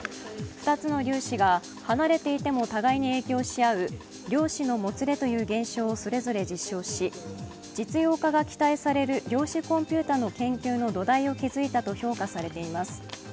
２つの粒子が離れていても互いに影響し合う量子のもつれという現象をそれぞれ実証し、実用化が期待される量子コンピュータの研究の土台を築いたと評価されています。